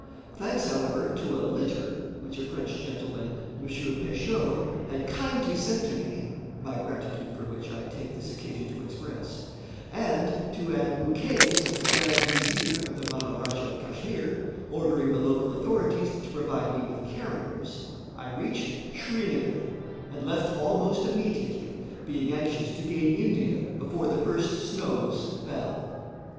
Thanks, however, to a litter, which a French gentleman, M. Peicheau, had kindly sent to me (my gratitude for which I take this occasion to express), and to an ukase of the Grand Vizier of the Maharajah of Kachmyr, ordering the local authorities to provide me with carriers, I reached Srinagar, and left almost immediately, being anxious to gain India before the first snows fell.